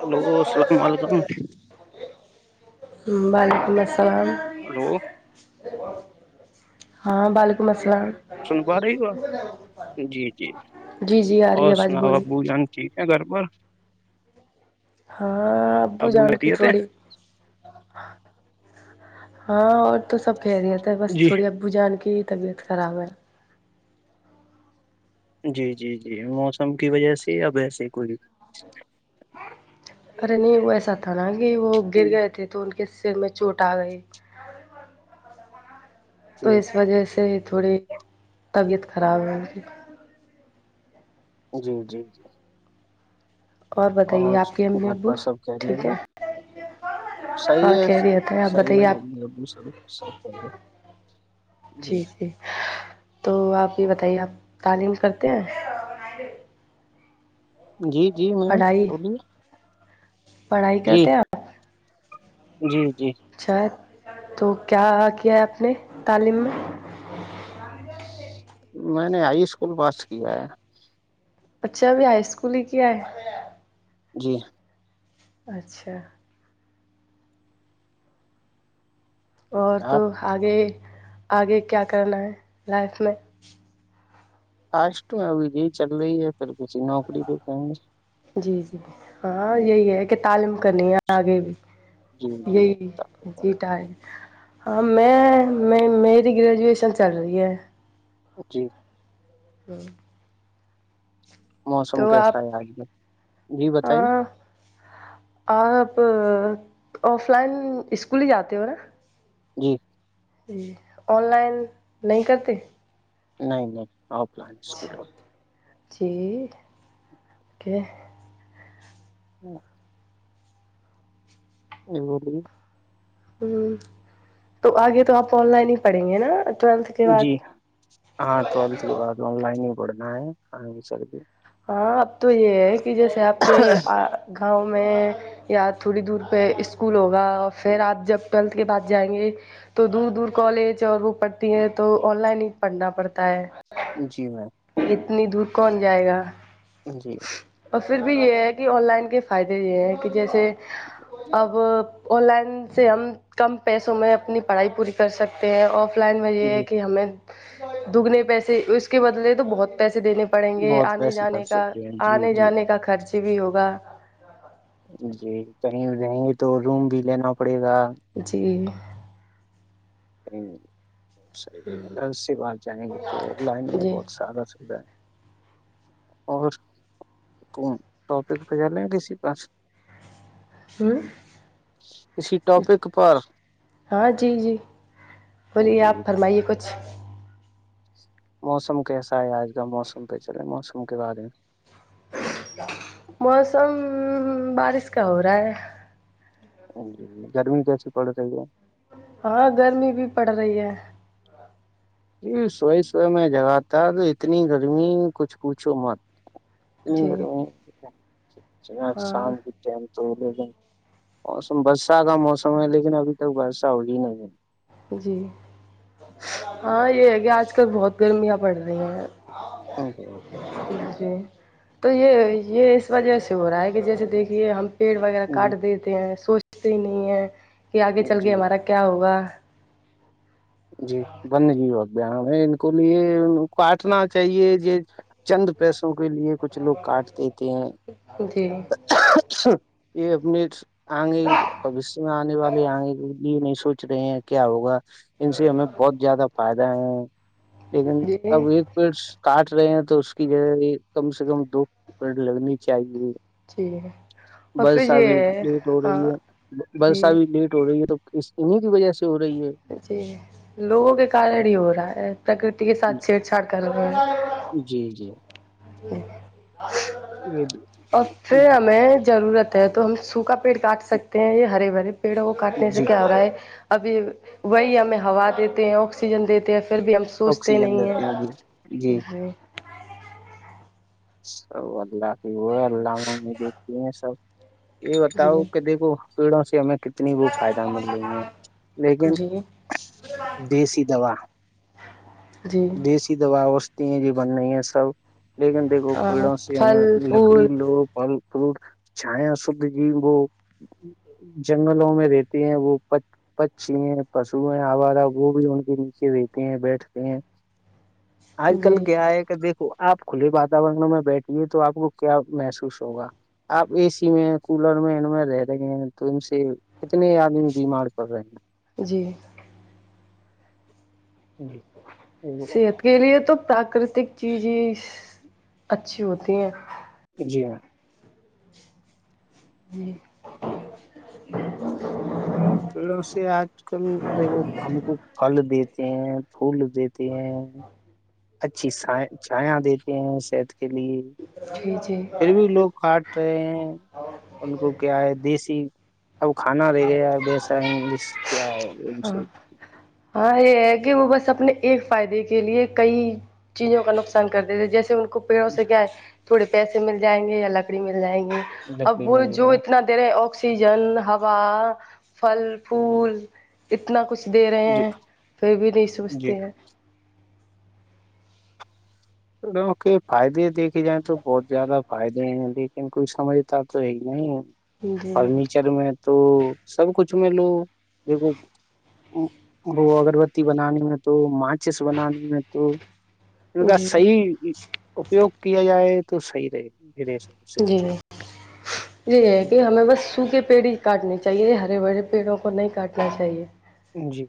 hello السلام علیکم وعلیکم السلام ہلو ہاں ب جی سن پا رہی ہو جی جی جی جی آ رہی اور ہے آواز سناؤ بولی ابو جان ٹھیک ہے گھر پر ہاں ابو جان کی خیریت ہے تھوڑی ہاں اور تو سب کہہ رہیے تھے بس جی تھوڑی ابو جان کی طبیعت خراب ہے جی جی جی موسم کی وجہ سے اب ایسے کوئی اے نہیں وہ ایسا تھا نا کہ وہ اگے جی گئے تھے تو کے سر میں چوٹ آ گئی تو اس وجہ سے ہی تھوڑی طبیعت خراب ہوگی جی جی جی بتائیے اور آپ کی امی گھر ابو پر سب کیریئر ٹھیک ل ہے سی ہاں ہے خیریت آپ سی ہے بتائیے م آپ ا سر سب کر ہے جی جی تو آپ یہ بتائیے آپ تعلیم کرتے ہیں جی جی میم پڑھائی بولیے پڑھائی جی کرتے ہیں آپ جی جی اچھا تو کیا کیا ہے آپ نے تعلیم میں میں نے ہائی اسکول پاس کیا ہے بچے اب ہائی اسکول ہی کیا ہے جی اچھا اور تو آپ آگے آگے کیا کرنا ہے لائف میں خس تو ا جی چل رہی ہے پھر پ نوکری لتے جی جی ہاں یہی ہے کہ تعلیم کرنی ہے آگے بھی جی جی یہی جیٹائ ہے ہاں میں میں میری گریجویشن چل رہی ہے جی ہوں موسم کیسا آپ آج ہے جی بتائیے ہاں آپ آف لائن اسکول ہی جاتے ہو نا جی جی آن لائن نہیں کرتے نہیں نہیں آ پانیول جی کہ ہوں ا بولے ہ تو آگے تو آپ آن لائن ہی پڑھیں گے نا ٹویلتھ کے بعد جی ہاں ٹویلتھ کی بات آن لائن ہی پڑھنا ہے س ہاں اب تو یہ ہے کہ جیسے آپ کے گاؤں میں یا تھوڑی دور پہ اسکول ہوگا پھر آپ جب ٹویلتھ کے بعد جائیں گے تو دور دور کالج اور وہ پڑھتی ہے تو آن لائن ہی پڑھنا پڑتا ہے جی میم اتنی دور کون جائے گا جی [unintelligible] اور پھر بھی یہ ہے کہ آن لائن کے فائدے یہ ہیں کہ جیسے اب آن لائن سے ہم کم پیسوں میں اپنی پڑھائی پوری کر سکتے ہیں اور پلان میں یہ ہے جی کہ ہمیں دگنے پیسے اس کے بدلے تو بہت پیسے دینے پڑیں گے بہت آنے پیسے کر جانے کا سکتے ہیں جی آنے جی جانے کا خرچ بھی ہوگا جی کہیں گیں گے تو روم بھی لینا پڑے گا جی [unintelligible] حیح اگر سے بات جائیں گی تو آن لائن میں جی بہت سارا سوھا ہے اور کو ٹاپک پجا لیں کسی پاس ہوں [unintelligible] کسی ٹاپک پر ہاں جی جی بولیے جی آپ فرمائیے کچھ موسم کیسا ہے آج کل موسم پہ چلے موسم کے بارے میں موسم بارش کا ہو رہا ہے گرمی میں کیسی پڑے رہی ہے ہاں گرمی بھی پڑ رہی ہے یہ سوی سوی میں جگاتا تو اتنی گرمی کچھ پوچھو مت جی ہاں سام تو موسم برسا کا موسم ہے لیکن ابھی تک برسا وہی نہیں ہے جی ہاں یہ ہے کہ آج کل بہت گرمیاں پڑ رہی ہیں جی تو یہ یہ [unintelligible] اس وجہ سے ہو رہا ہے کہ جیسے دیکھیے ہم پیڑ وغیرہ کاٹ دیتے ہیں سوچتے ہی نہیں ہیں کہ آگے جی چل جی کے ہمارا کیا ہوگا جی ون جیوق بیان میں ان کو لیے ان کاٹنا چاہیے یہ چند پیسوں کے لیے کچھ لوگ کاٹ دیتے ہیں [unintelligible] یہ اپنے آگے بوشیہ میں آنے والے آنگے یہے نہیں سوچ رہے ہیں کیا ہوگا ان سے ہمیں بہت زیادہ فائدہ ہے لیکن جی اب ایک پی کاٹ رہے ہیں تو اس کی جہ کم سے کم دو پیڑ لڑنی چاہیے ٹھیک ہے برس ابھی لیٹ ہو رہی ہے بس جی ا بھیھی لیٹ ہو رہی ہے تو اس انیں کی وجہ سے ہو رہی ہے جی لوگوں کے کارن ہی ہو رہا ہے پرکرتی کے سات چھی چھاڑ کر ل گ جی جی [unintelligible] اور پھر ہمیں ضرورت ہے تو ہم سوکھا پیڑ کاٹ سکتے ہیں یہ ہرے بھرے پیڑوں کو کاٹنے سے جی کیا ہو رہا ہے ابھی وہی ہمیں ہوا دیتے ہیں آکسیجن دیتے ہیں پھر بھی ہم سوچتے آکسیجن نہیں دیتے ہیں جی جی ہیں ج سب اللہ کی وہ ہے اللہ ممی دیکھتی ہیں سب یہ جی بتاؤ کہ دیکھو پیڑوں سے ہمیں کتنی وہ فائدہ مل رہیں ہے لیکن جی جی دیسی دوا جی دیسی دوا وستتی ہیں ج بن رہی ہے سب لیکن دیکھو اور پیڑوں سے ہمیں پھل لکڑی پھول لو اور پھر چھائےا سبد جیب جنگلوں میں رہتے ہیں وہ پت پچی ہیں پشو ہیں آبادا وہ بھی ان کے نیچے دیتے ہیں بیٹھتے ہیں آج کل جی کیا ہے کہ دیکھو آپ کھلی بات و میں بیٹھیے تو آپ کو کیا محسوس ہوگا آپ اے سی میں کولر میں ان میں رہ رہیںے تو ان سے کتنے آدمی بیمار کر رہے ہیں جی جی ج [unintelligible] صحت کے لیے تو پراکرتک چیز ہی اچھی ہوتی ہیں جی ہاں جی [unintelligible] پیڑوں سے آج کل دیک ہم کو پھل دیتے ہیں پھول دیتے کہ اچھی س چیا دیتے ہیں صحت کے لیے جی جی پھر بھی لوگ کٹ رہے ہیں ان کو کیا ہے دیسی اب کھانا رہ گیا وسا انگلش کیا ہے ر سے ہاں ہاں یہ ہے کہ وہ بس اپنے ایک فائدے کے لیے کئی چیزوں کا نقصان کرتے تھے جیسے ان کو پڑوں سے کیا ہے تھوڑے پیسے مل جائیں گے یا لکڑی مل جائیں گی اب لکڑی وہ مل جو جائیں اتنا دیرے آکسیجن ہا فل فول اتنا کچھ دے رہے جی ہیں کوئی بھی نہیں جی سوچھتے ہیں تو ل کہ فائدے دیکے جائیں تو بہت زیادہ فائدےے لیکن کوئی سمجھتا تو ہے ہی نہیں جی فرنیچر میں تو سب کچھ میں لوگ د وہ اگربتی بنانے میں تو ماچس بنانے میں تو ان کا جی صحیح اپیوگ کیا جائے تو صحیح رہے د جی نہیں جی ہے کہ ہمیں بس سو کے پیڑھی کاٹنی چاہیے ہرے بھرے پیڑوں کو نہیں کاٹنا چاہیے جی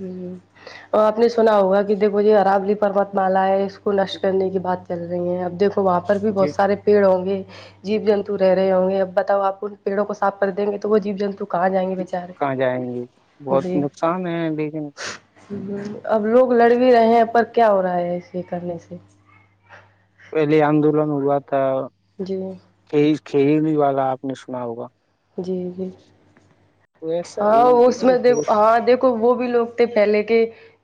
ہ اور آپ نے سنا ہوگا کہ دیکھو یہ عرابلی پرمت مالا ہے اس کو نشٹ کرنے کی بات چل رہی ہیں اب دیکھو وہاں پر بھی بہت جی سارے پیڑ ہوں گے جیو جنتو رہ رہے ہوں گے اب بتاؤ آپ کو پڑوں کو صا کر دیں گے تو وہ جی جنتو کو کہاں جائیں گے بہت نقصان ہے دیکھنے ہ اب لوگ لڑ بھی رہے ہیں پر کیا ہو رہا ہے اس یہ کرنے سے پہلے آندولن ہوا تھا جی ک ک ہی نہیں والا آپ نے سنا ہوگا جی جی تو ایسا ہاں ہی اس میں د ہاں دیک وہ بھی لوگ تھے پہلے کے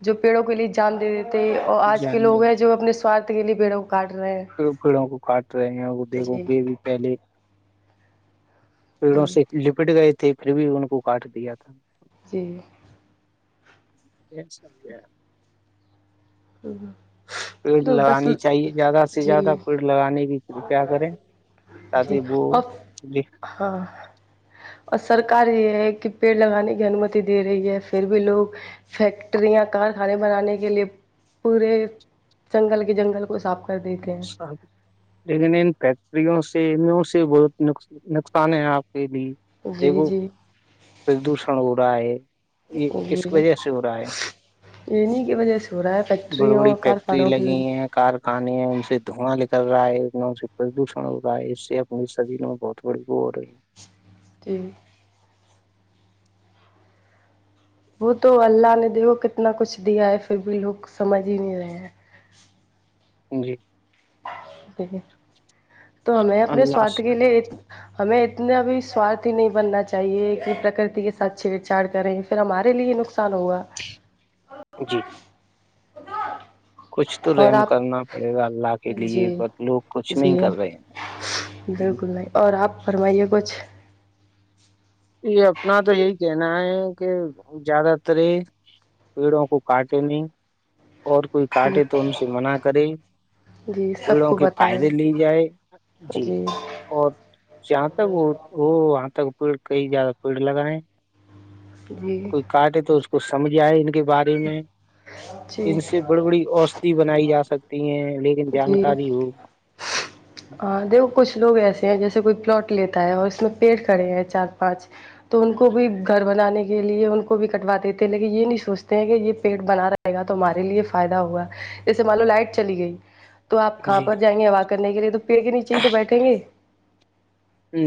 جو پیڑوں کے لیے جان دیے دیتے تھے اور آج کے جان لوگ ہیں جو اپنے سوارت کے لی بیڑاو کٹ رہے پ ہیں پڑوں کو کاٹ رہے ہیں اور وہ دیکھو گے بھی پہلے پیڑوں جی سے لپٹ گئے تھے پھر بھی ان کو کاٹ دیا تھا جی ایک س ہے [unintelligible] ہ ہ [unintelligible] پیڑ لگانی چاہیے زیادہ سے زیادہ پیڑ لگانے کی کرپیا کریں تاد جی ب اور ہاں اور سرکار یہ ہے کہ پیڑ لگانے کی انمتی دے رہی ہے پھر بھی لوگ فیکٹریاں کارخانے بنانے کے لیے پورے جنگل کے جنگل کو صاف کر دیتے ہیں شاہ لیکن ان فیکٹریوں سے انوں سے بہت نقصان ہیں آپ کے لیے جی دیکھو جی پردوشن ہو رہا ہے یہ کس وجہ سے ہو رہا ہے انہی کی وجہ سے ہو رہا بڑی فیکٹریوں بڑی اور فیکٹری کارخانوں کی لگی وجہ ہیں کارخانے ہیں ان سے دھوناں نکل رہا ہے ان سے پردوشن ہو رہا ہے اس سے اپنے شریر میں بہت تھڑ بور جی وہ تو اللہ نے دیکھو کتنا کچھ دیا ہے پھر بھی لوگ سمجھ ہی نہیں رہے ہیں جی ج تو ہمیں اپنے اللہ سوارھ کے سے- لیے ہمیں اتنا اب سوارھ ہی نہیں بننا چاہیے کہ پرکرتی کے ساتھ چھیڑ چاڑ کریں پھر ہمارے لیے یہ نقصان ہوگا جی جی کچھ تو اور رحم آپ کرنا پڑے گا اللہ کے لیے جی ب لوگ کچھ نہیں جی کر رہے ہیں بالکل نہیں اور آپ فرمائیے کچھ یہ اپنا تو یہی کہنا ہے کہ زیادہ تر یہ پیڑوں کو کاٹے نہیں اور کوئی کاٹے تو ان سے منع کرے جی سب پڑوں کو کے فائدے بتائیں لی جائے جی اور جہاں تک وہ وہ وہاں تک پیڑ کئی زیادہ پیڑ لگا ہے جی کاٹے تو اس کو سمجھ آئے ان کے بارے میں جی ان سے بڑی بڑی اوسدھی بنائی جا سکتی ہیں لیکن جی جانکاری ہو [inaudible] ہاں دیکھو کچھ لوگ ایسے ہیں جیسے کوئی پلاٹ لیتا ہے اور اس میں پیڑ کھڑے ہیں چار پانچ تو ان کو بھی گھر بنانے کے لیے ان کو بھی کٹوا دیتے ہیں لیکن یہ نہیں سوچتے کہ یہ پیٹ بنا رہے گا ت ہمارے لیے فائدہ ہوا جسے مان لو لائٹ چلی گئی تو آپ کہاں جی پر جائیں گے وا کرنے کے لیے تو پیڑ کے نیچے ہی تو بیٹھیں گے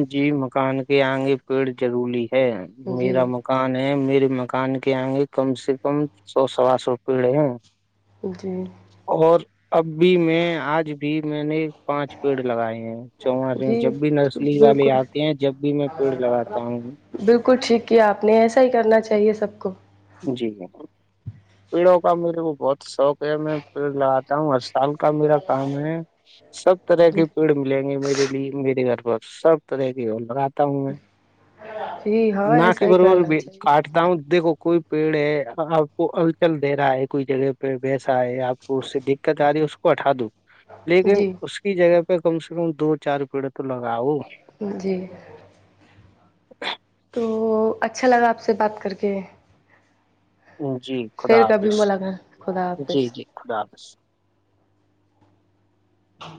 جی مکان کے آگے پیڑ ضروری ہے جی میرا م مکان ہے میرے مکان کے آئ گے کم سے کم سو سوا سو روپیڑے ہیں جی اور اب بھی میں آج بھی میں نے پانچ پیڑ لگائے ہیں چما رہی ہ جی جب بھی نرسلی والے بالکل آتے ہیں جب بھی میں پیڑ لگاتا ہوں بالکل ٹھیک کیا آپ نے ایسا ہی کرنا چاہیے سب کو جی پیڑوں کا میرے کو بہت شوق ہے میں پیڑ لگاتا ہوں سال کا میرا کام ہے سب طرح جی کے پیڑ ملیں گے میرے لیے میرے گھر پر سب طرح کی ب رہاتا ہوں میں جی ہاں نہ کی ایسا ہی بربر کرنا کاٹ چاہیے تا ہ دیکھو کوئی پیڑ ہے آپ کو ہلچل دے رہا ہے کوئی جگہ پ پ بیسا آئے آپ کو اس سے دقت آ رہی ہے اس کو ہٹا دوں لیکن جی اس کی جگہ پہ کم سے کم دو چار پیڑ تو لگاؤ جی تو اچھا لگا آپ سے بات کر کے جی خدا پھر کبھی حافظ ملاقات خدا جی حافظ جی خدا حافظ ہاں